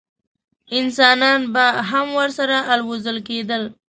انسانان به هم ورسره الوزول کېدل.